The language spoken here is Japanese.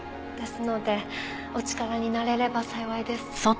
ですのでお力になれれば幸いです。